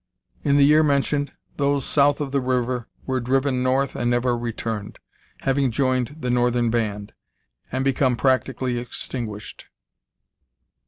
In the year mentioned those south of the river were driven north and never returned, having joined the northern band, and become practically extinguished.